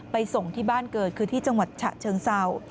ส่งที่บ้านเกิดคือที่จังหวัดฉะเชิงเศร้า